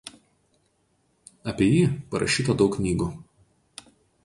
Apie jį parašyta daug knygų.